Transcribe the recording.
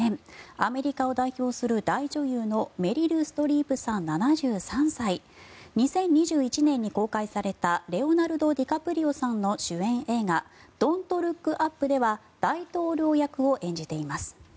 アメリカを代表する大女優のメリル・ストリープさん、７３歳２０２１年に公開されたレオナルド・ディカプリオさんの主演映画「ドント・ルック・アップ」では大統領役を演じています。